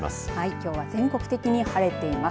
きょうは全国的に晴れています。